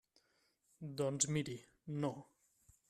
Doncs, miri, no.